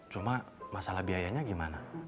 cuma masalah biayanya gimana